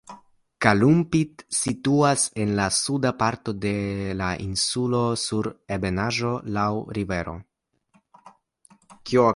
Calumpit situas en la suda parto de la insulo sur ebenaĵo laŭ rivero.